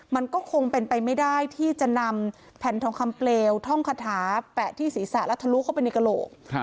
มันก็คงเป็นไปไม่ได้ที่จะนำแผ่นทองคำเปลวท่องคาถาแปะที่ศีรษะและทะลุเข้าไปในกระโหลก